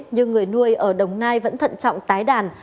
nhưng người nuôi ở đồng nai vẫn thận trọng tái đàn